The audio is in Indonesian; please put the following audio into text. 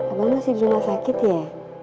abang masih di rumah sakit ya